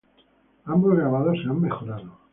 Ambos grabados se han mejorado.